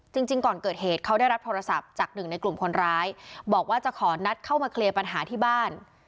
จริงก่อนเกิดเหตุเขาได้รับโทรศัพท์จากหนึ่งในกลุ่มคนร้ายบอกว่าจะขอนัดเข้ามาเคลียร์ปัญหาที่บ้าน